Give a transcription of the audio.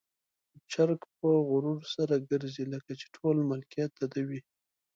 چرګ په غرور سره ګرځي، لکه چې ټول ملکيت د ده وي.